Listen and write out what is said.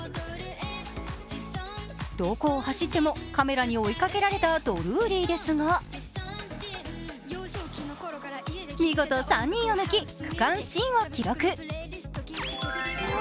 どこを走ってもカメラに追いかけられたドルーリーですが、見事３人を抜き区間新を記録。